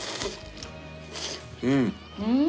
うん。